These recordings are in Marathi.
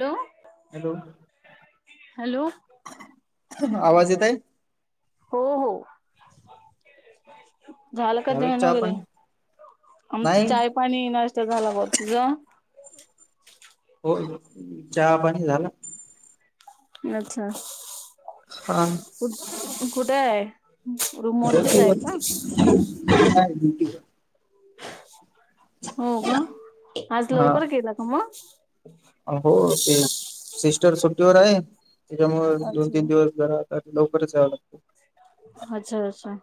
हॅलो हॅलो हॅलो आवाज येतय. हो हो! झालं का झाल जेवन चहा वगैरे, पाणी आमचं नाही चाय पाणी नाश्ता झाला बॉ तुझा? हो चहा पाणी झालं? अच्छा. हा. [unintelligible] कुठ कुठे आहे? रूमवरतीच आहे का [inaudible] हो ग आज हा लवकर गेला का मग? हो ते सिस्टर सुट्टीवर आहे. त्याच्यामुळे दोन तीन अच्छा दिवस जरा लवकरच याव लागत. अच्छा अच्छा.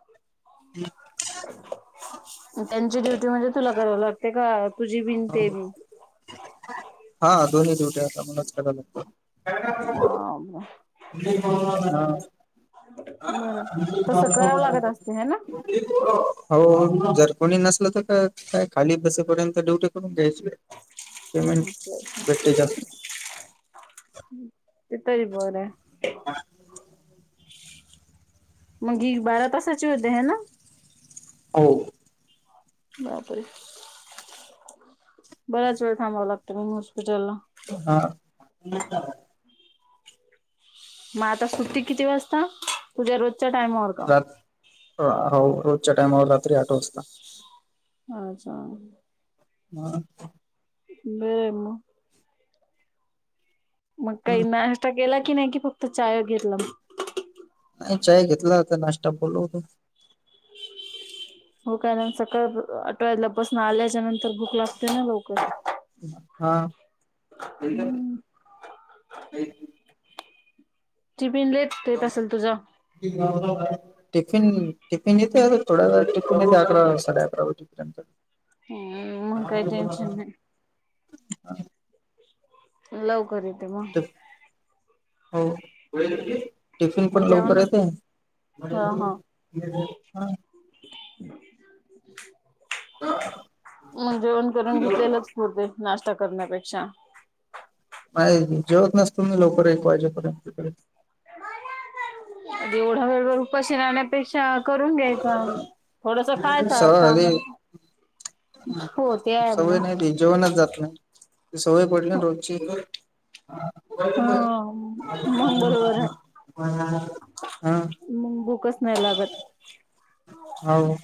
त्यांची ड्युटी म्हणजे तुला कराव लागते का तुझी बिन ते लागतं बि? हा दोन्ही ड्युट्या आता मलाच करायला लागता. [inaudible] [inaudible] हो बरं तसं करावं लागत असते है ना जर कोणी नसल तर का काय खाली बसेपर्यंत ड्युटी करून घ्यायची. पेमेंट भेटते जास्त. [unintelligible] बर. [inaudible] मग ही बारा तासाची होते ह ना? हो. बाप रे. बराच वेळ थांबावं लागतं म हॉस्पिटला. हा. मग आता सुट्टी किती वाजता? तूझ्या रोज च्या टायमावर. का रात हो रोजच्या टायमावर रात्री आठ वाजता. अच्छा. [inaudible] [inaudible] मग काही नाश्ता केला की नाही कि फक्त चाय घेतला मग? नाही चाय घेतला होता नाश्ता बोलवतो. हो कानंतर सकाळ आठव्याला बसून आल्याच्या नंतर भूक लागते ना. हा [unintelligible] हम्म टिफिन लेट येत असेल तुझा? [inaudible] टिफिन टिफिन येते थोड्या टिफिन येते अकरा साडे अकरा वाजेपर्यंत. हम्म, मग काही टेन्शन नाही [inaudible] लवकर येते मग. [inaudible] टिफिन पण लवकर येते जेवणच हा हा [inaudible] [inaudible] [inaudible] जेवण करून घेतलेलंच पुरते नाश्ता करण्यापेक्षा? होय जेवत नसतो मी लवकर एक वाजेपर्यंतकडे. एवढा वेळ भर उपाशी राहण्या पेक्षा करून घ्यायच थोडस खायचं आता सवय [unintelligible] सवय नाही ती जेवणच जात नाही ती सवय पडली ना रोजची हा मंग बरोबर आहे हा मंग भूकच नाही लागत हाव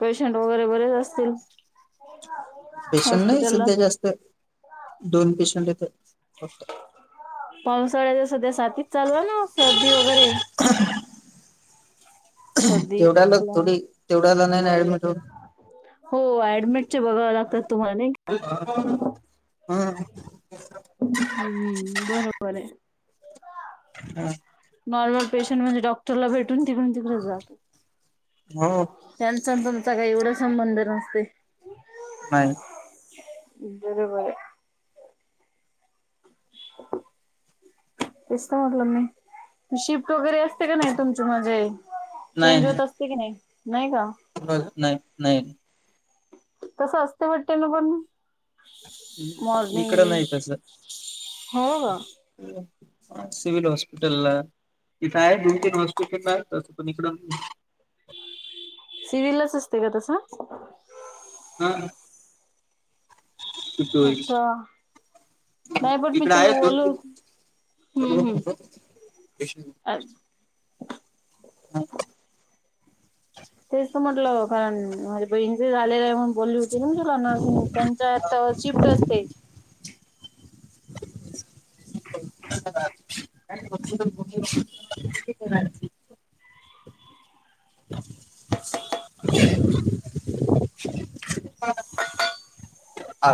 पेशंट वगैरे बरेच असतील पेशंट नाही हॉस्पिटलला सध्या जास्त दोन पेशंट इथे पावसाळ्याच्या सध्या साातीच चालू आहे ना सर्दी वगैरे सर्दी जेवढ्यालाच खोकला थोडी तेवढ्याला नाही ना ऍडमिट होत हो ऍडमिट चे बघाव लागतात तुम्हाला नाई का हम्म ह हम्म बरोबर आहे हा नॉर्मल पेशंट म्हणजे डॉक्टरला भेटून तिकडून तिकडे जात हो त्याच आण तुमचं काय एवढा संबंध नसते नाहीय बरोबर आहे तेच तर म्हणलं मी शिफ्ट वगैरे अस का नाही तुमच म्हणजे चेंज होत असते की नाही नाही का ब नाही, नाही तसं असते वटते ना पण इकडं नाही मॉर्निंग हो का सिव्हील हॉस्पिटलला तिथे आहे दोन, तीन हॉस्पिटल आहे तच पण इकड सिव्हलाच असते का तसं हा किती होईल अच्छा नाही पण मी इकडं तुला आहे दोन बोलू तीन हम, हमअछ हम तेच तर म्हटलं कारण माझ्या बहीणीच झालेलं आहे म्हण बोलली होती म्ह तुला नर्सिंग त्यांच्यात अ शिफ्ट असते [unintelligible] [unintelligible] अ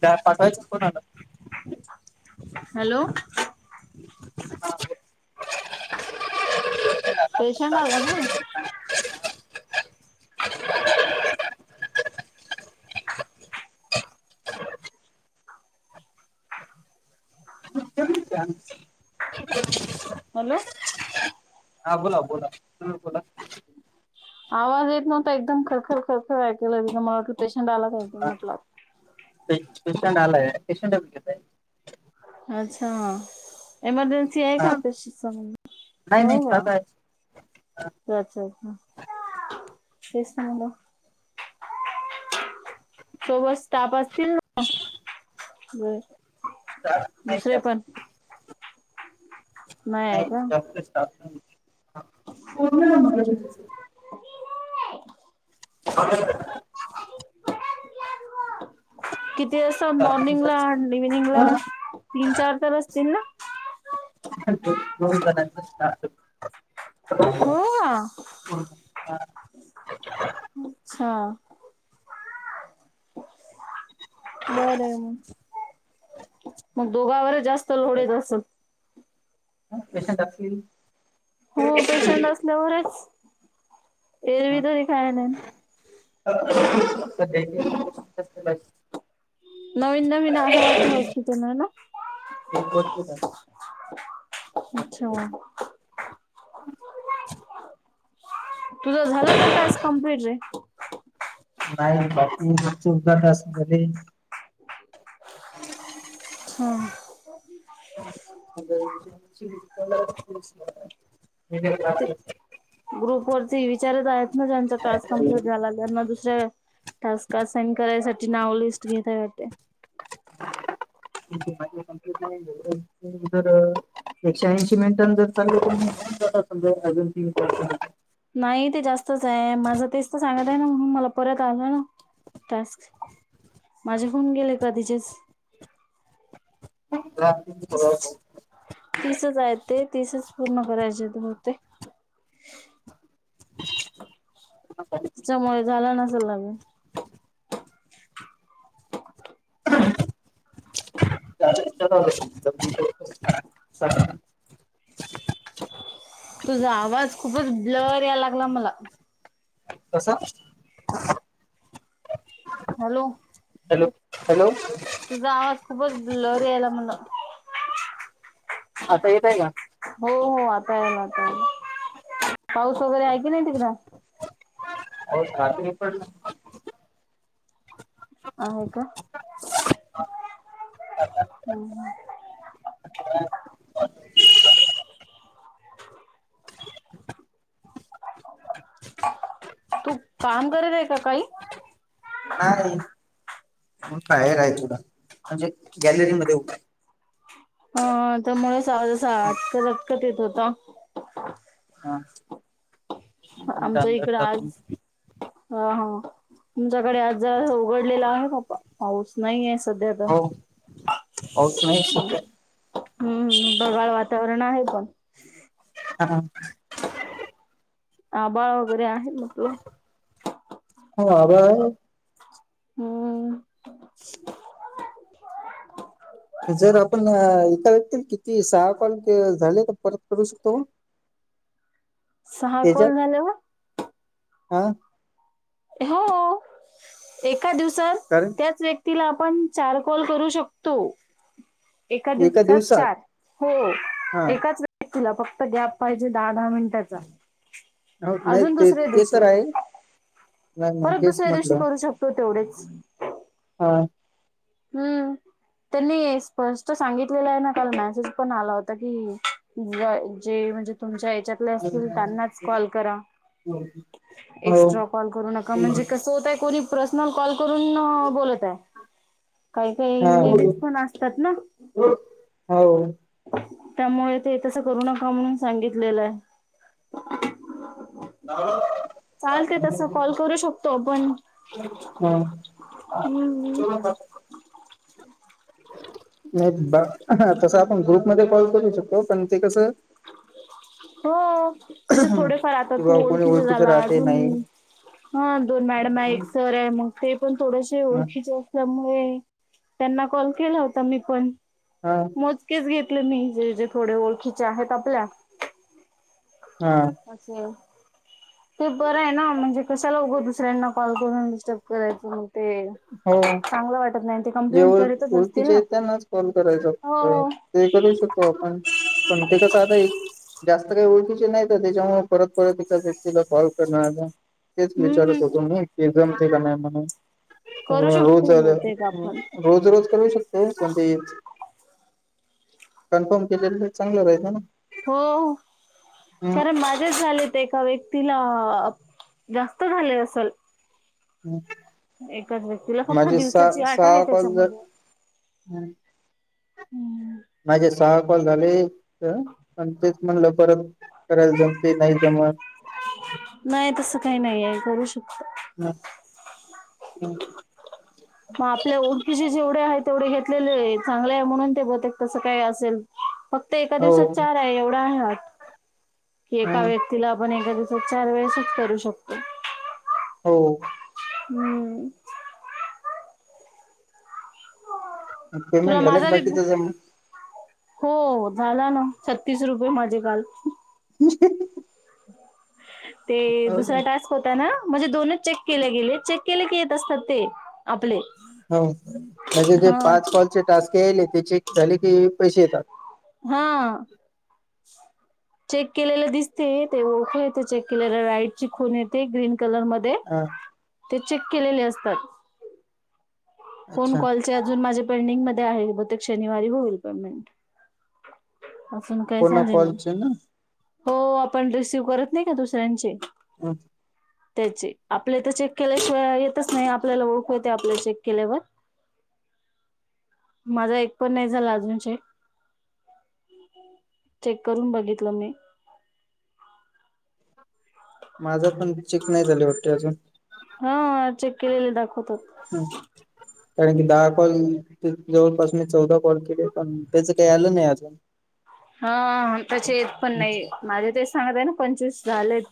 त्या पाठवायचं कोणाला हॅलो पेशंट आल का? [inaudible] हॅलो हा बोला, बोला ह बोला आवाज येत नव्हता एकदम खरखर, खरखर ऐकलं ति मला वाटलं पेशंट आला कायकी हा म्हटल पे पेशंट आलाय [unintelligible] अच्छा एमर्जन्सी आहे का हा आपल्याशी सबध नाही हो नाही का स्टाफ आहे अच्छा, अच्छा तेच त म्हणलं सोवत स्ताप असतील ना बर. [unintelligible] स्टार नाईत जास् नाही जास्त स्टाफ [unintelligible] हूंहूं. [unintelligible] ते असं स्टाफ नाही मॉर्निंगला जास्त निव्हिनिंगला तीन चार तर असतील ना?. [unintelligible] दोन जणांचा स्टार्ट हो [unintelligible] आ हा. बरं, मग दोघावरच जास्त लोड येत असल?. उ पेशंट असतील हो पेशंट असल्यावरच, एरवी हा तरी काय नायी. [inaudible] नवीन नवीन आहे वाटते [inaudible] ना?. एक वर्ष झालं [inaudible] हॉस्पिटल अच्छाम तुझा झाला का टास्क कम्प्लीट रे?. [unintelligible] बाकी [unintelligible] हाँ [inaudible] ते बाकीय. ग्रुप वरती विचारत आहेत ना ज्यांचा टास्क कमप्लीट झाला त्यांना दुसऱ्या टास्का साईन करायसाठी नावं लिस्ट घेताय वाटत. [unintelligible] दरं, एकशेऐंशी मींटा [unintelligible] नायी ते जास्तच हाये, माझं तेच त सांगताय ना, म्हुन मला परत आलं. टास्क, माझे हुन गेले कधिचेेच. [unintelligible] तीसचऐत ते, तीसच पूर्ण करायचे मते [inaudible] अ [inaudible] त्च्यामुळे झाला नसेल आग् [inaudible] [unintelligible] [unintelligible] तुझा आवाज खूपच ब्लअर याय लागला मला कसा? [inaudible] [inaudible] हॅलो हॅलो हॅलो तुझा आवाज खूपच ब्लर यायला मला. आता येतंय का?. हो हो आता यायला लागलाय. पाऊस वगरे आहे की नाही तिकडं? पाऊस रात्री पण आहे का? [inaudible] तू काम करत आएका काही? नाही उ बाहेर आहे थोडं, म्हणजे गॅलरी मध्ये उभा हा त्यामुळेच आवाज असा आहे. अटकत अटकत येत होता. हा. आमच्या इकडं आज हा हा तुमच्याकडे आज जरा उघडलेला आहे का पा पाऊस नाहीये सध्या तर हो पाऊस नाही सुटला. हम्म ढगाळ वातावरण आहे पण हा. आभाळ वगैरे आहे म्हटलो. हो आभाळ आहे. हम्म. जर आपण इका व्यक्तीला किती सहा कॉल झाले तर परत करू शकतो? सहा त्याच्यात कॉल झाल्यावर? हा. हो एका दिवसात कारण त्याच व्यक्ती तिला आपण चार कॉल करू शकतो. एका दिवसात चार हो हा एकाच व्य तिला फक्त गॅप पाहिजे दहा दहा मिनिटाचा हो नाही अजून ते दुसऱ्या ते दिवशी तर आहे नाही नाही परत तेच दुसऱ्या दिवशी म्हटलं करू शकतो तेवढेच. हां. हम्म त्यांनी स्पष्ट सांगितलेलं आहे ना काल मेसेज पण आला होता की जे म्हणजे तुमच्या हच्यातले असतील त्यांनाच कॉल करा. हो एक्स्ट्रा कॉल करू नका म्हणजे कस होतय कोणी पर्सनल कॉल करून बोलत आहे. काही काही हा लेडीज पण असतात ना हो. त्यामुळे ते तसं करू नका म्हणून सांगितलेलं आहे. [inaudible] चालते तस कॉल करू शकतो आपण हम्म. नाही तसं आपण ग्रुपमध्ये कॉल करू शकतो पण ते कसं हो जस थोडेफार आता किंवा तू कोणी ओळखीच झाला राहते अजून नाही हा दोन मॅडम आहे, एक सर आहे मग ते पण थोडेसे हा ओळखीचे आहे. त्यामुळे त्यांना कॉल केला होता मी पण हा म केच घेतले मी जे जे थोडे ओळखीचे आहेत आपल्या. हा. अस. ते बरं आहे ना म्हणजे कशाला उघं दुसऱ्यांना कॉल करून डिस्टर्ब करायचं मग ते हो चांगलं वाटत नाही ते जे कंप्लेंट ओळ करतच असतील ना ओळखीचे त्यांनाच कॉल करायचा हो फक्त हो ते करू शकतो आपण पण ते कस आलंय जास्त काही ओळखीचे नाही तर त्याच्यामुळे परत परत एका तिला फॉल करण आल. तेच विचारत हम्म होतो मी की जमते का नाही म्हणुन. करू रोज शकतो आलं बहुतेक आपण रोज रोज करू शकतो पण ते येच कन्फर्म केलेलं तर चांगलं राहिल ना. हो कारण माजेच झाल ते एका व्य तिला जास्त झाले असेल. हम्म. एकाच व्यक्तीला फक्त दिवसाची आट आहे त्याच्यामध्ये. हम्म. माझे सहा कॉल झाले त अन तेच म्हणलं परत खरंच जमते नाही जमत. नाही तसं काही नाही आहे करू शकता. हम हम्. मग आपल्या ओळखीचे जेवढे आहे तेवढे घेतलेले चांगले आहे म्हणून ते बतक तसं काय असेल. फक्त एका दिवसात हो चार आहे एवढा हात की एका वेळ तिला आपण एका दिवसात चार वेळेसच करू शकतो. हो. हम्म. तुला पेमेंट झालं माझा विब्बू. बाकीच जम हो झाला ना छत्तीस रुपये माझे काल. [inaudible] ते दुसरा टास्क होता ना म्हणजे दोनच चेक केले गेले चेक केले की येत असतात ते. आपले हो म्हणजे जे हा पाच कॉलचे टास्क केले ते चेक झाले की पैसे येतात. हा. चेक केलेले दिसते ते ओखू येत चेक केलेल राईट ची खून येते ग्रीन कलर मध्ये. हा ते ते चेक केलेले असतात. फोन अच्छा कॉलचे अजून माझे पेंडिंग मध्ये आहे ब ते शनिवारी होईल पेमेंट. अजून काय पूर्ण झाले नाही. कॉलचे ना हो आपण रिसीव्ह करत नाही का दुसऱ्यांचे. [unintelligible] त्याचे आपले तर चेक केल्याशिवाय येतच नाही आपल्याला ओळखू येते आपले चेक केल्यावर. माझा एक पण नाही झाला अजून चेक ‌. चेक करून बघितलं मी. माझा पण चेक नाही झाले वाटते अजून. हा चेक केलेले दाखवतात. हम्. कारण की दहा कॉल जवळपास मी चौदा कॉल केले पण त्याच काही आलं नाही अजून. [inaudible] हा त्याचे येत पण नाही माझे ते सांगत आहे ना पंचवीस झालेत.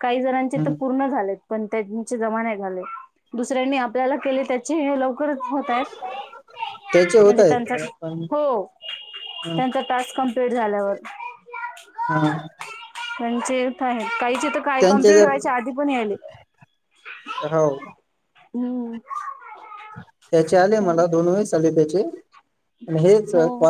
काही जणांचे तर पूर्ण झालेत. पण त्यांचे जमा नाही झाले, दुसऱ्यांनी आपल्याला केले त्याचे लव खरच होत आहेत. त्याचे होत म्हणजे त्यांचा, आहेत पण हो त्यांचा टास्क कमप्लीट झाल्यावर. हॅलो. त्यांचे येत आहेत काहीचे तर काय त्यांचे कमप्लीट जर व्हायच्या आधी पण याले, हो हम्म. त्याचे आले मला दोन वेळेस आले त्याचे, पण हेच हो कॉल